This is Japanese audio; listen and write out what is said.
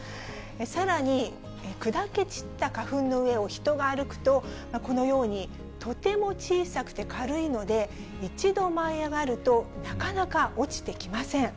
さらに、砕け散った花粉の上を人が歩くと、このように、とても小さくて軽いので、一度舞い上がると、なかなか落ちてきません。